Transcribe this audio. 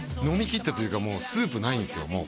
飲みきったというかもうスープないんですよ